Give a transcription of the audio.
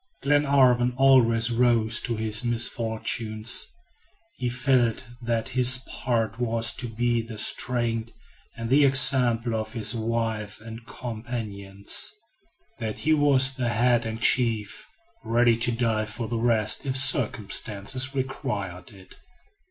Glenarvan always rose to his misfortunes. He felt that his part was to be the strength and the example of his wife and companions; that he was the head and chief; ready to die for the rest if circumstances required it.